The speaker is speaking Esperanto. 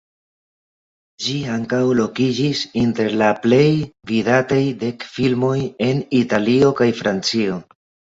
Ĝi ankaŭ lokiĝis inter la plej vidataj dek filmoj en Italio kaj Francio.